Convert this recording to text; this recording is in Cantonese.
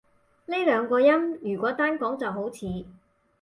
呢兩個音如果單講就好似